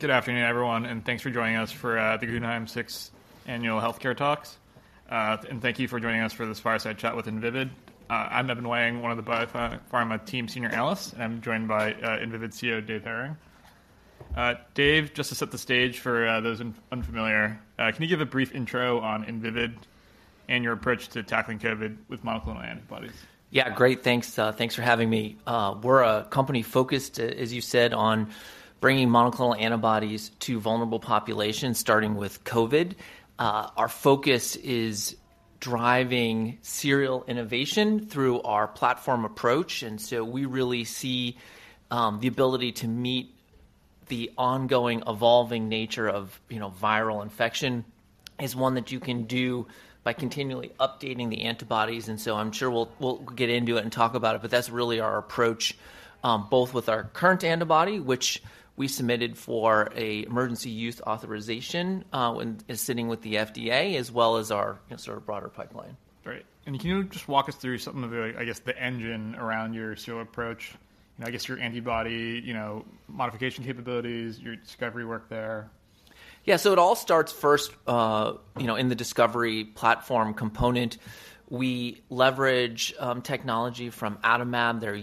Good afternoon, everyone, and thanks for joining us for the Guggenheim 6th Annual Healthcare Talks. Thank you for joining us for this fireside chat with Invivyd. I'm Evan Seigerman, one of the biopharma team senior analysts, and I'm joined by Invivyd CEO Dave Hering. Dave, just to set the stage for those unfamiliar, can you give a brief intro on Invivyd and your approach to tackling COVID with monoclonal antibodies? Yeah, great. Thanks, thanks for having me. We're a company focused, a-as you said, on bringing monoclonal antibodies to vulnerable populations, starting with COVID. Our focus is driving serial innovation through our platform approach, and so we really see the ability to meet the ongoing, evolving nature of, you know, viral infection as one that you can do by continually updating the antibodies. And so I'm sure we'll, we'll get into it and talk about it, but that's really our approach, both with our current antibody, which we submitted for an emergency use authorization, which is sitting with the FDA, as well as our, you know, sort of broader pipeline. Great. Can you just walk us through something of the, like, I guess, the engine around your serial approach? You know, I guess your antibody, you know, modification capabilities, your discovery work there. Yeah, so it all starts first, you know, in the discovery platform component. We leverage technology from Adimab, their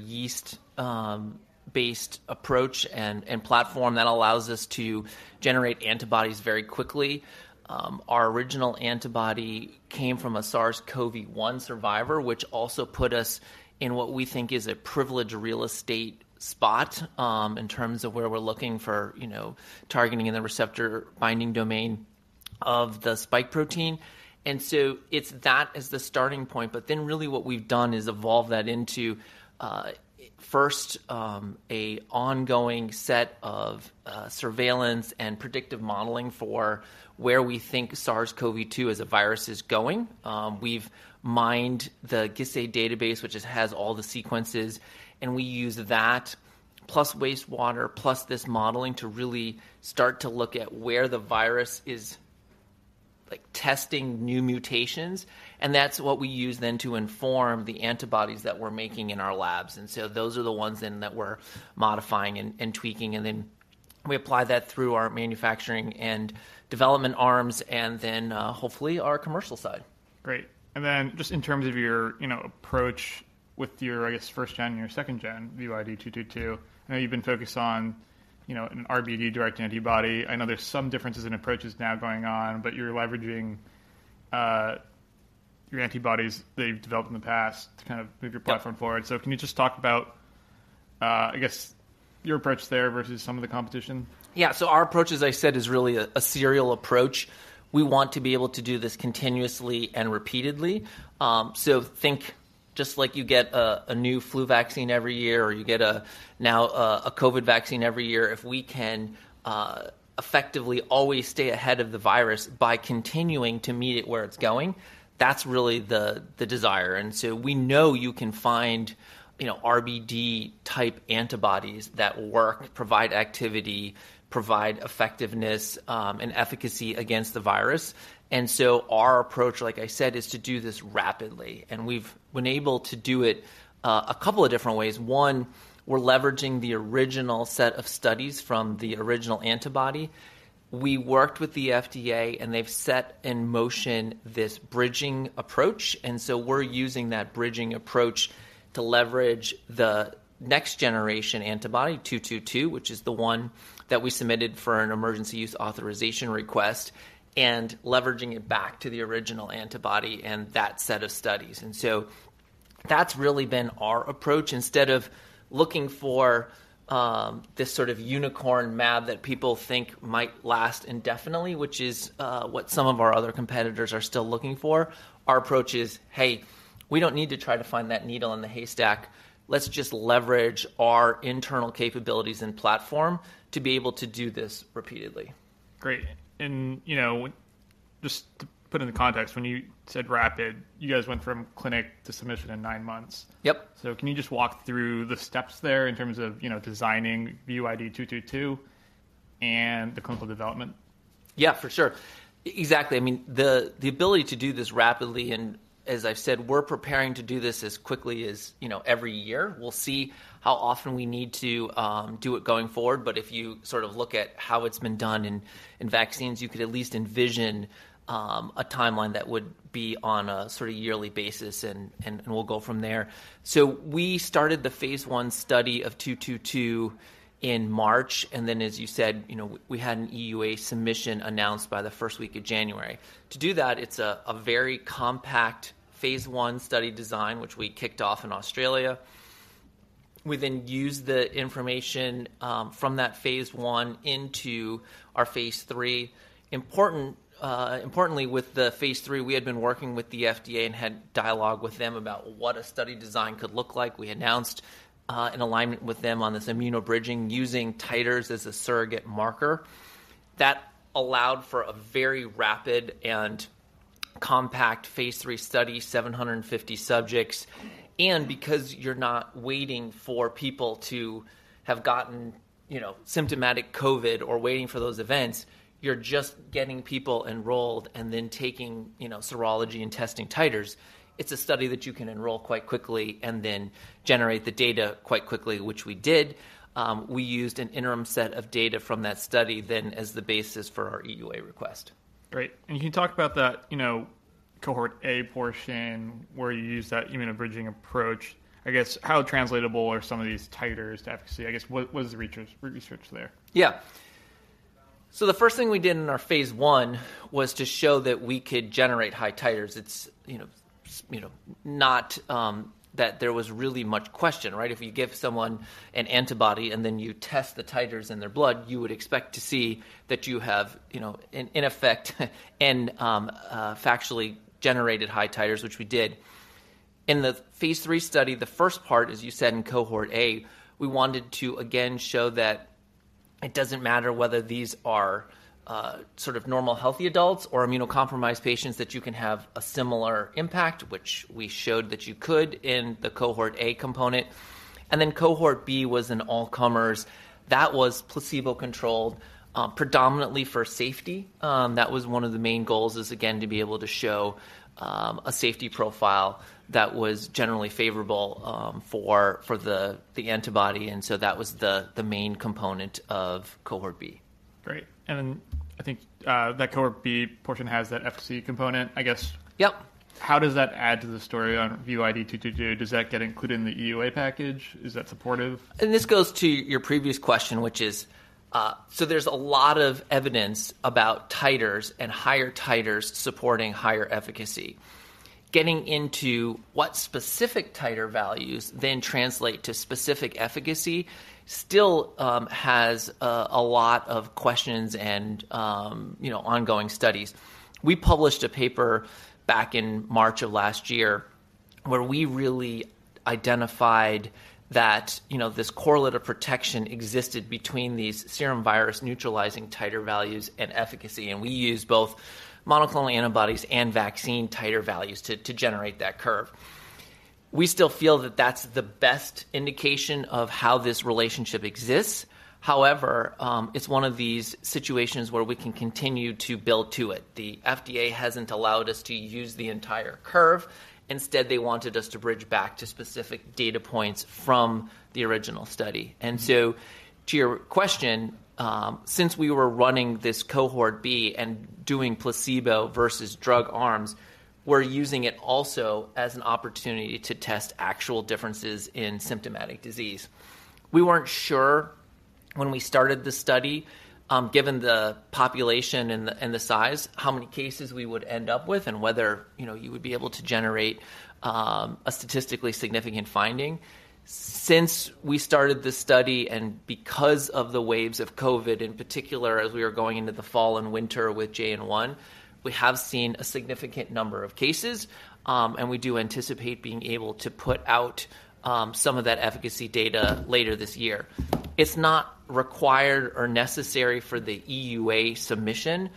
yeast-based approach and platform that allows us to generate antibodies very quickly. Our original antibody came from a SARS-CoV-1 survivor, which also put us in what we think is a privileged real estate spot, in terms of where we're looking for, you know, targeting in the receptor-binding domain of the spike protein. So it's that as the starting point, but then really what we've done is evolve that into, first, an ongoing set of surveillance and predictive modeling for where we think SARS-CoV-2 as a virus is going. We've mined the GISAID database, which has all the sequences, and we use that plus wastewater plus this modeling to really start to look at where the virus is, like, testing new mutations. That's what we use then to inform the antibodies that we're making in our labs. So those are the ones then that we're modifying and tweaking, and then we apply that through our manufacturing and development arms and then, hopefully our commercial side. Great. Then just in terms of your, you know, approach with your, I guess, 1st-gen and your 2nd-gen, VYD222, I know you've been focused on, you know, an RBD direct antibody. I know there's some differences in approaches now going on, but you're leveraging, your antibodies that you've developed in the past to kind of move your platform forward. So can you just talk about, I guess, your approach there versus some of the competition? Yeah, so our approach, as I said, is really a serial approach. We want to be able to do this continuously and repeatedly. So think just like you get a new flu vaccine every year or you get a new COVID vaccine every year, if we can effectively always stay ahead of the virus by continuing to meet it where it's going, that's really the desire. And so we know you can find, you know, RBD type antibodies that work, provide activity, provide effectiveness, and efficacy against the virus. And so our approach, like I said, is to do this rapidly. And we've been able to do it a couple of different ways. One, we're leveraging the original set of studies from the original antibody. We worked with the FDA, and they've set in motion this bridging approach, and so we're using that bridging approach to leverage the next generation antibody, 222, which is the one that we submitted for an emergency use authorization request, and leveraging it back to the original antibody and that set of studies. And so that's really been our approach. Instead of looking for this sort of unicorn mAb that people think might last indefinitely, which is what some of our other competitors are still looking for, our approach is, hey, we don't need to try to find that needle in the haystack. Let's just leverage our internal capabilities and platform to be able to do this repeatedly. Great. You know, just to put it in context, when you said rapid, you guys went from clinic to submission in nine months. Yep. Can you just walk through the steps there in terms of, you know, designing VYD222 and the clinical development? Yeah, for sure. Exactly. I mean, the ability to do this rapidly, and as I've said, we're preparing to do this as quickly as, you know, every year. We'll see how often we need to do it going forward, but if you sort of look at how it's been done in vaccines, you could at least envision a timeline that would be on a sort of yearly basis, and we'll go from there. So we started the phase I study of 222 in March, and then, as you said, you know, we had an EUA submission announced by the first week of January. To do that, it's a very compact phase I study design, which we kicked off in Australia. We then used the information from that phase I into our phase III. Importantly, with the phase III, we had been working with the FDA and had dialogue with them about what a study design could look like. We announced, in alignment with them on this immunobridging using titers as a surrogate marker. That allowed for a very rapid and compact phase III study, 750 subjects. And because you're not waiting for people to have gotten, you know, symptomatic COVID or waiting for those events, you're just getting people enrolled and then taking, you know, serology and testing titers. It's a study that you can enroll quite quickly and then generate the data quite quickly, which we did. We used an interim set of data from that study then as the basis for our EUA request. Great. Can you talk about that, you know, cohort A portion where you used that immunobridging approach? I guess, how translatable are some of these titers to efficacy? I guess, what, what is the researchers' research there? Yeah. So the first thing we did in our phase I was to show that we could generate high titers. It's, you know, you know, not that there was really much question, right? If you give someone an antibody and then you test the titers in their blood, you would expect to see that you have, you know, in effect, actually generated high titers, which we did. In the phase III study, the first part, as you said in cohort A, we wanted to again show that it doesn't matter whether these are, sort of normal healthy adults or immunocompromised patients that you can have a similar impact, which we showed that you could in the cohort A component. And then cohort B was an all-comers. That was placebo-controlled, predominantly for safety. That was one of the main goals, is again to be able to show a safety profile that was generally favorable for the antibody. And so that was the main component of cohort B. Great. Then I think that cohort B portion has that efficacy component, I guess. Yep. How does that add to the story on VYD222? Does that get included in the EUA package? Is that supportive? This goes to your previous question, which is, so there's a lot of evidence about titers and higher titers supporting higher efficacy. Getting into what specific titer values then translate to specific efficacy still has a lot of questions and, you know, ongoing studies. We published a paper back in March of last year where we really identified that, you know, this correlate of protection existed between these serum virus neutralizing titer values and efficacy. And we used both monoclonal antibodies and vaccine titer values to generate that curve. We still feel that that's the best indication of how this relationship exists. However, it's one of these situations where we can continue to build to it. The FDA hasn't allowed us to use the entire curve. Instead, they wanted us to bridge back to specific data points from the original study. And so to your question, since we were running this cohort B and doing placebo versus drug arms, we're using it also as an opportunity to test actual differences in symptomatic disease. We weren't sure when we started the study, given the population and the size, how many cases we would end up with and whether, you know, you would be able to generate a statistically significant finding. Since we started the study and because of the waves of COVID in particular, as we were going into the fall and winter with JN.1, we have seen a significant number of cases, and we do anticipate being able to put out some of that efficacy data later this year. It's not required or necessary for the EUA submission,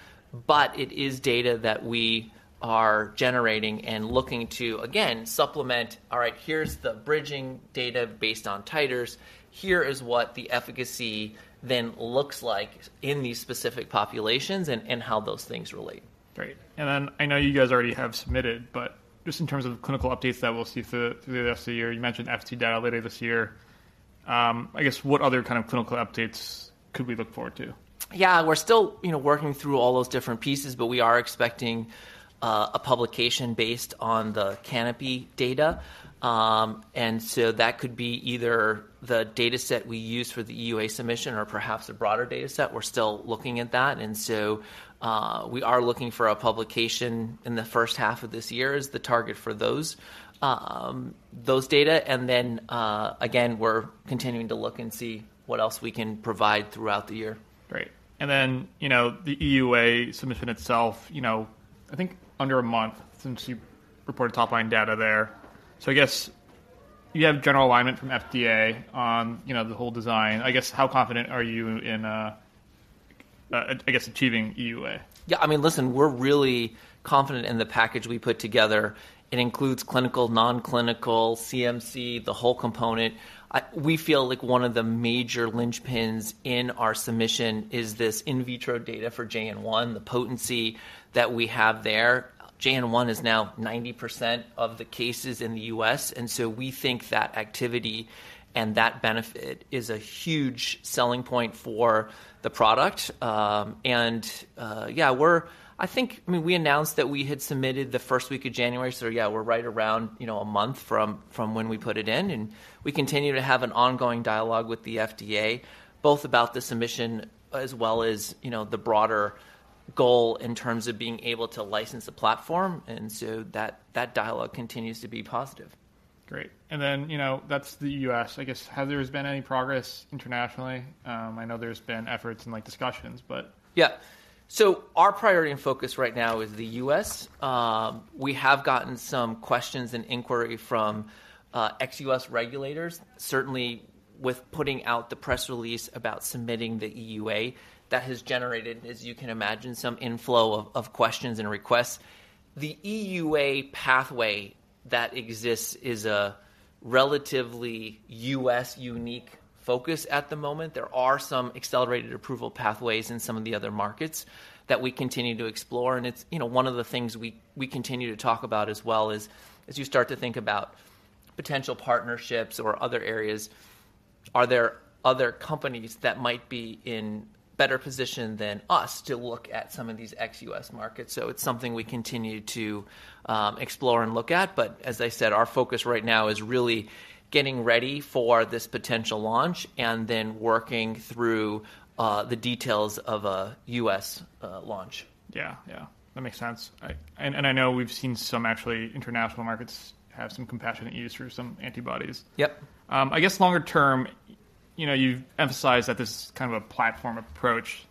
but it is data that we are generating and looking to, again, supplement. All right, here's the bridging data based on titers. Here is what the efficacy then looks like in these specific populations and how those things relate. Great. And then I know you guys already have submitted, but just in terms of clinical updates that we'll see through the rest of the year, you mentioned efficacy data later this year. I guess what other kind of clinical updates could we look forward to? Yeah, we're still, you know, working through all those different pieces, but we are expecting a publication based on the CANOPY data. And so that could be either the dataset we use for the EUA submission or perhaps a broader dataset. We're still looking at that. And so, we are looking for a publication in the first half of this year as the target for those, those data. And then, again, we're continuing to look and see what else we can provide throughout the year. Great. And then, you know, the EUA submission itself, you know, I think under a month since you reported top-line data there. So I guess you have general alignment from FDA on, you know, the whole design. I guess how confident are you in, I guess achieving EUA? Yeah, I mean, listen, we're really confident in the package we put together. It includes clinical, non-clinical, CMC, the whole component. We feel like one of the major linchpins in our submission is this in vitro data for JN.1, the potency that we have there. JN.1 is now 90% of the cases in the U.S., and so we think that activity and that benefit is a huge selling point for the product. Yeah, we're, I think, I mean, we announced that we had submitted the first week of January, so yeah, we're right around, you know, a month from, from when we put it in. And we continue to have an ongoing dialogue with the FDA, both about the submission as well as, you know, the broader goal in terms of being able to license the platform. And so that, that dialogue continues to be positive. Great. And then, you know, that's the US. I guess has there been any progress internationally? I know there's been efforts and, like, discussions, but. Yeah. So our priority and focus right now is the U.S. We have gotten some questions and inquiry from ex-U.S. regulators, certainly with putting out the press release about submitting the EUA. That has generated, as you can imagine, some inflow of questions and requests. The EUA pathway that exists is a relatively U.S.-unique focus at the moment. There are some accelerated approval pathways in some of the other markets that we continue to explore. And it's, you know, one of the things we continue to talk about as well is, as you start to think about potential partnerships or other areas, are there other companies that might be in better position than us to look at some of these ex-U.S. markets? So it's something we continue to explore and look at. But as I said, our focus right now is really getting ready for this potential launch and then working through the details of a U.S. launch. Yeah, yeah. That makes sense. I know we've seen some actually international markets have some compassionate use for some antibodies. Yep. I guess longer term, you know, you've emphasized that this is kind of a platform approach.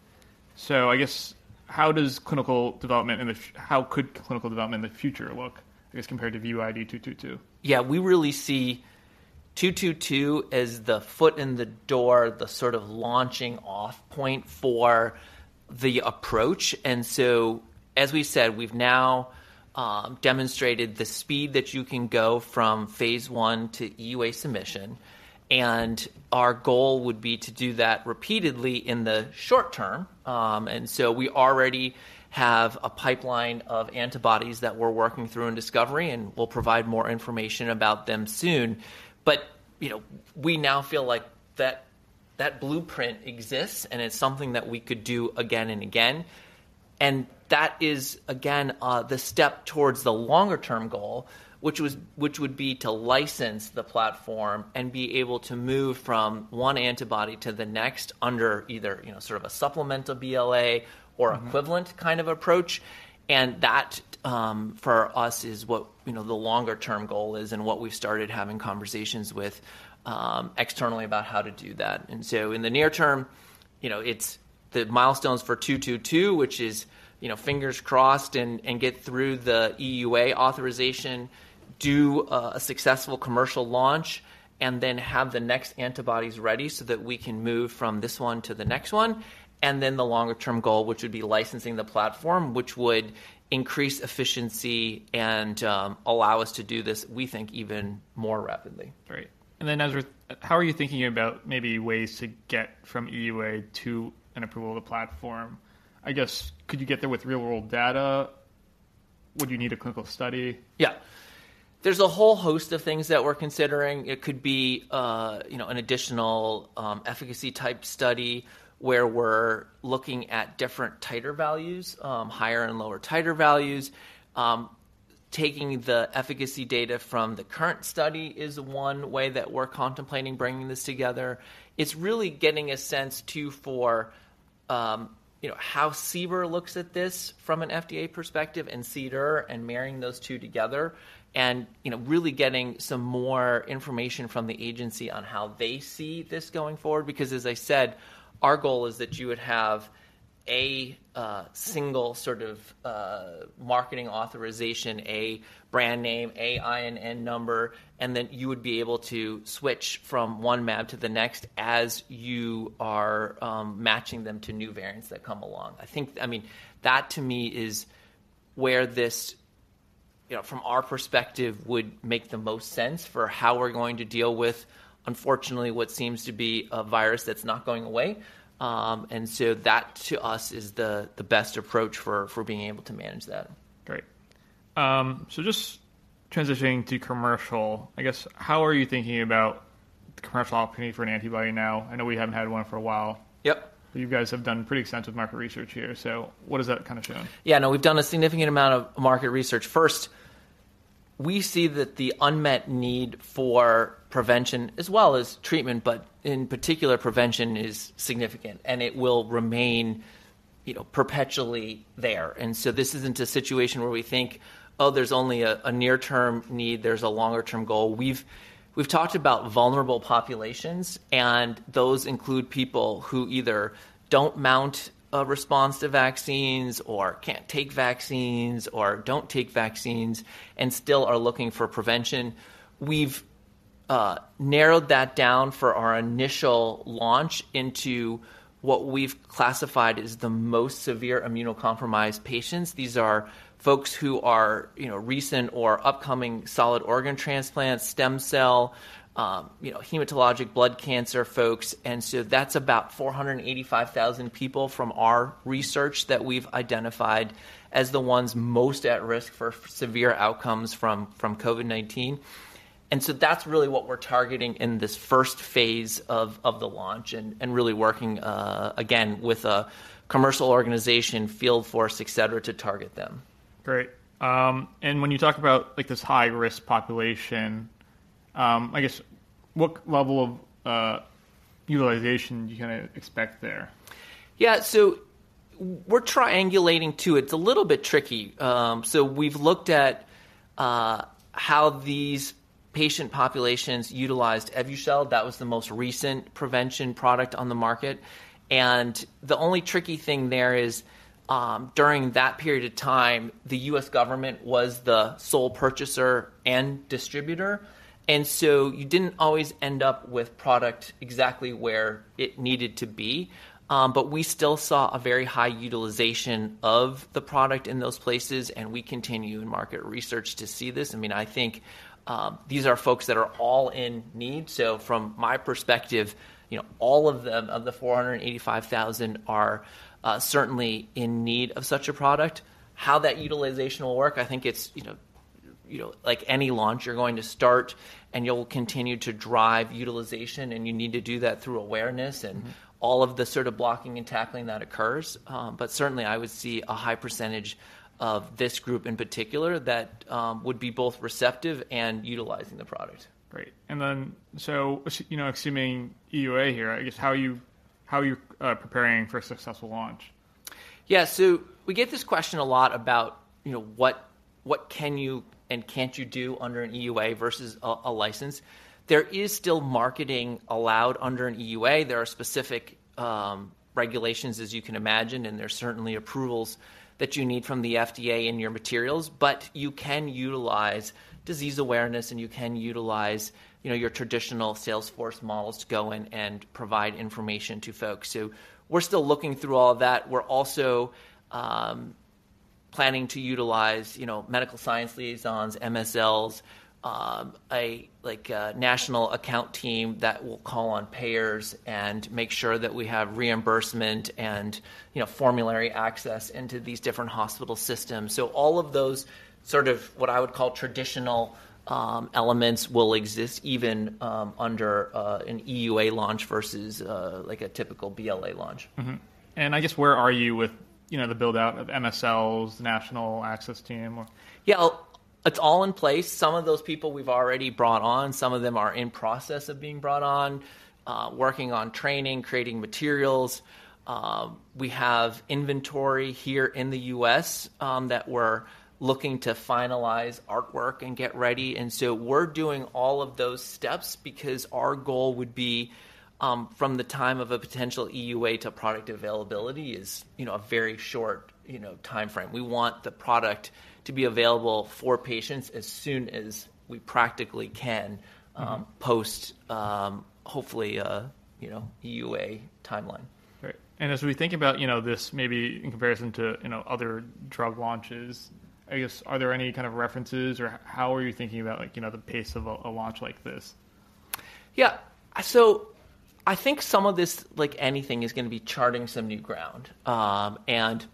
So I guess how could clinical development in the future look, I guess, compared to VYD222? Yeah, we really see VYD222 as the foot in the door, the sort of launching-off point for the approach. And so, as we said, we've now demonstrated the speed that you can go from phase one to EUA submission. And our goal would be to do that repeatedly in the short term. And so we already have a pipeline of antibodies that we're working through in discovery, and we'll provide more information about them soon. But, you know, we now feel like that blueprint exists, and it's something that we could do again and again. And that is, again, the step towards the longer-term goal, which would be to license the platform and be able to move from one antibody to the next under either, you know, sort of a supplemental BLA or equivalent kind of approach. And that, for us, is what, you know, the longer-term goal is and what we've started having conversations with, externally, about how to do that. And so in the near term, you know, it's the milestones for 222, which is, you know, fingers crossed and, and get through the EUA authorization, do a successful commercial launch, and then have the next antibodies ready so that we can move from this one to the next one. And then the longer-term goal, which would be licensing the platform, which would increase efficiency and, allow us to do this, we think, even more rapidly. Great. And then how are you thinking about maybe ways to get from EUA to an approval of the platform? I guess could you get there with real-world data? Would you need a clinical study? Yeah. There's a whole host of things that we're considering. It could be, you know, an additional, efficacy-type study where we're looking at different titer values, higher and lower titer values. Taking the efficacy data from the current study is one way that we're contemplating bringing this together. It's really getting a sense, too, for, you know, how CBER looks at this from an FDA perspective and CDER and marrying those two together and, you know, really getting some more information from the agency on how they see this going forward. Because, as I said, our goal is that you would have a, single sort of, marketing authorization, a brand name, a INN number, and then you would be able to switch from one mAb to the next as you are, matching them to new variants that come along. I think I mean, that, to me, is where this, you know, from our perspective, would make the most sense for how we're going to deal with, unfortunately, what seems to be a virus that's not going away. And so that, to us, is the best approach for being able to manage that. Great. So just transitioning to commercial, I guess, how are you thinking about the commercial opportunity for an antibody now? I know we haven't had one for a while. Yep. You guys have done pretty extensive market research here. What has that kind of shown? Yeah, no, we've done a significant amount of market research. First, we see that the unmet need for prevention as well as treatment, but in particular, prevention is significant, and it will remain, you know, perpetually there. And so this isn't a situation where we think, "Oh, there's only a near-term need. There's a longer-term goal." We've talked about vulnerable populations, and those include people who either don't mount a response to vaccines or can't take vaccines or don't take vaccines and still are looking for prevention. We've narrowed that down for our initial launch into what we've classified as the most severe immunocompromised patients. These are folks who are, you know, recent or upcoming solid organ transplants, stem cell, you know, hematologic blood cancer folks. And so that's about 485,000 people from our research that we've identified as the ones most at risk for severe outcomes from COVID-19. And so that's really what we're targeting in this first phase of the launch and really working, again, with a commercial organization, field force, etc., to target them. Great. And when you talk about, like, this high-risk population, I guess what level of utilization do you kind of expect there? Yeah, so we're triangulating, too. It's a little bit tricky. So we've looked at how these patient populations utilized Evusheld. That was the most recent prevention product on the market. The only tricky thing there is, during that period of time, the U.S. government was the sole purchaser and distributor. So you didn't always end up with product exactly where it needed to be. But we still saw a very high utilization of the product in those places, and we continue in market research to see this. I mean, I think these are folks that are all in need. So from my perspective, you know, all of them of the 485,000 are certainly in need of such a product. How that utilization will work, I think it's, you know, you know, like any launch. You're going to start, and you'll continue to drive utilization, and you need to do that through awareness and all of the sort of blocking and tackling that occurs. But certainly, I would see a high percentage of this group in particular that would be both receptive and utilizing the product. Great. And then, so assuming you know, assuming EUA here, I guess, how are you preparing for a successful launch? Yeah, so we get this question a lot about, you know, what can you and can't you do under an EUA versus a license. There is still marketing allowed under an EUA. There are specific regulations, as you can imagine, and there's certainly approvals that you need from the FDA in your materials. But you can utilize disease awareness, and you can utilize, you know, your traditional sales force models to go and provide information to folks. So we're still looking through all of that. We're also planning to utilize, you know, medical science liaisons, MSLs, like a national account team that will call on payers and make sure that we have reimbursement and, you know, formulary access into these different hospital systems. All of those sort of what I would call traditional elements will exist even under an EUA launch versus like a typical BLA launch. Mm-hmm. And I guess where are you with, you know, the buildout of MSLs, the national access team, or? Yeah, it's all in place. Some of those people we've already brought on. Some of them are in process of being brought on, working on training, creating materials. We have inventory here in the U.S., that we're looking to finalize artwork and get ready. And so we're doing all of those steps because our goal would be, from the time of a potential EUA to product availability is, you know, a very short, you know, time frame. We want the product to be available for patients as soon as we practically can, post, hopefully, a, you know, EUA timeline. Great. And as we think about, you know, this maybe in comparison to, you know, other drug launches, I guess are there any kind of references, or how are you thinking about, like, you know, the pace of a launch like this? Yeah. So I think some of this, like anything, is going to be charting some new ground. And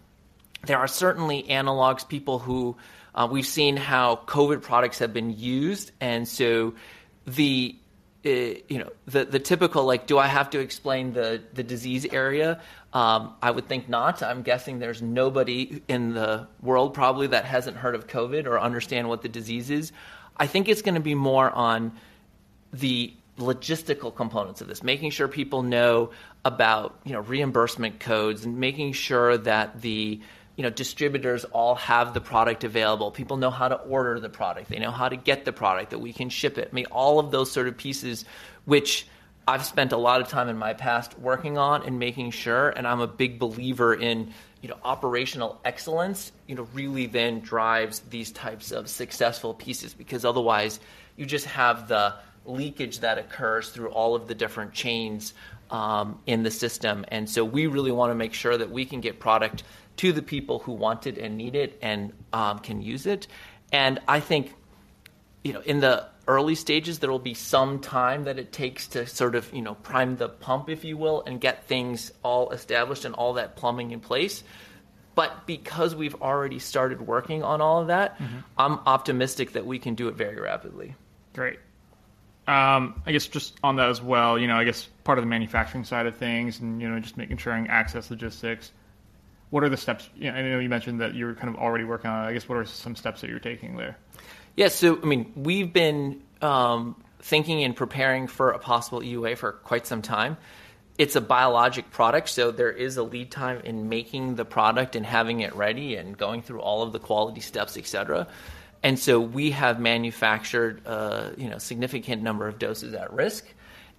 there are certainly analogs, people who, we've seen how COVID products have been used. And so the, you know, the, the typical, like, "Do I have to explain the, the disease area?" I would think not. I'm guessing there's nobody in the world probably that hasn't heard of COVID or understands what the disease is. I think it's going to be more on the logistical components of this, making sure people know about, you know, reimbursement codes and making sure that the, you know, distributors all have the product available, people know how to order the product, they know how to get the product, that we can ship it. I mean, all of those sort of pieces which I've spent a lot of time in my past working on and making sure, and I'm a big believer in, you know, operational excellence, you know, really then drives these types of successful pieces. Because otherwise, you just have the leakage that occurs through all of the different chains, in the system. And so we really want to make sure that we can get product to the people who want it and need it and, can use it. And I think, you know, in the early stages, there'll be some time that it takes to sort of, you know, prime the pump, if you will, and get things all established and all that plumbing in place. But because we've already started working on all of that, I'm optimistic that we can do it very rapidly. Great. I guess just on that as well, you know, I guess part of the manufacturing side of things and, you know, just making sure and access logistics, what are the steps you know, I know you mentioned that you were kind of already working on it. I guess what are some steps that you're taking there? Yeah, so I mean, we've been thinking and preparing for a possible EUA for quite some time. It's a biologic product, so there is a lead time in making the product and having it ready and going through all of the quality steps, etc. And so we have manufactured, you know, a significant number of doses at risk.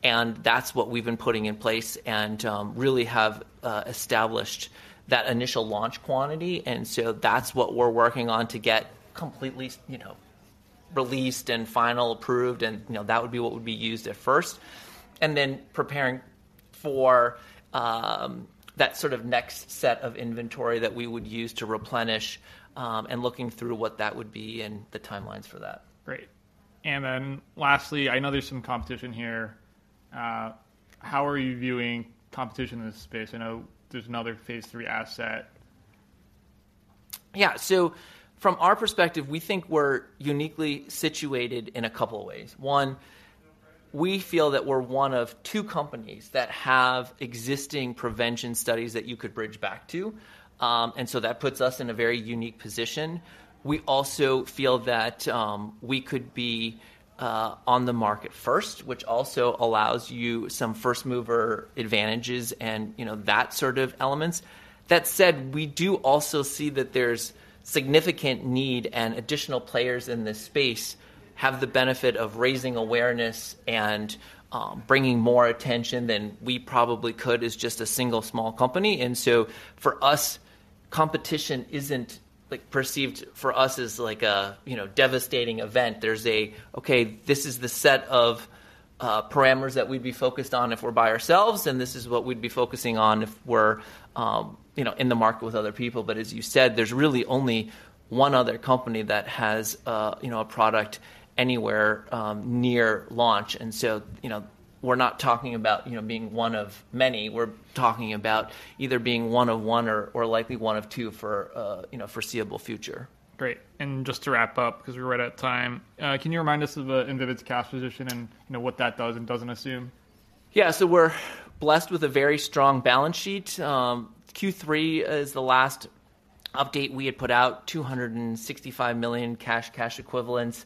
And that's what we've been putting in place and really have established that initial launch quantity. And so that's what we're working on to get completely, you know, released and final approved. And you know, that would be what would be used at first, and then preparing for that sort of next set of inventory that we would use to replenish, and looking through what that would be and the timelines for that. Great. And then lastly, I know there's some competition here. How are you viewing competition in this space? I know there's another phase three asset. Yeah, so from our perspective, we think we're uniquely situated in a couple of ways. One, we feel that we're one of two companies that have existing prevention studies that you could bridge back to. And so that puts us in a very unique position. We also feel that we could be on the market first, which also allows you some first-mover advantages and, you know, that sort of elements. That said, we do also see that there's significant need, and additional players in this space have the benefit of raising awareness and bringing more attention than we probably could as just a single small company. And so for us, competition isn't like perceived for us as like a, you know, devastating event. There's a "Okay, this is the set of parameters that we'd be focused on if we're by ourselves, and this is what we'd be focusing on if we're, you know, in the market with other people." But as you said, there's really only one other company that has, you know, a product anywhere near launch. And so, you know, we're not talking about, you know, being one of many. We're talking about either being one of one or, or likely one of two for a, you know, foreseeable future. Great. Just to wrap up, because we're right at time, can you remind us of Invivyd's cash position and, you know, what that does and doesn't assume? Yeah, so we're blessed with a very strong balance sheet. Q3 is the last update we had put out, $265 million cash cash equivalents,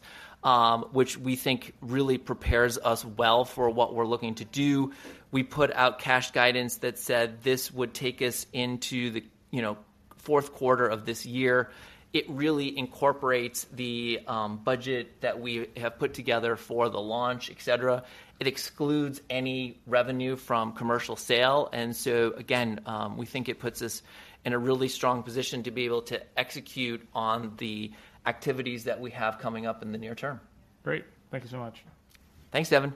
which we think really prepares us well for what we're looking to do. We put out cash guidance that said this would take us into the, you know, fourth quarter of this year. It really incorporates the budget that we have put together for the launch, etc. It excludes any revenue from commercial sale. And so again, we think it puts us in a really strong position to be able to execute on the activities that we have coming up in the near term. Great. Thank you so much. Thanks, Evan.